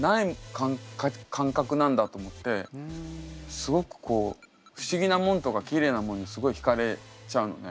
すごくこう不思議なもんとかきれいなもんにすごい引かれちゃうのね。